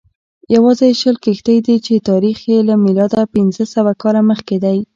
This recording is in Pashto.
یوازې شل کښتۍ دي چې تاریخ یې له میلاده پنځه سوه کاله مخکې دی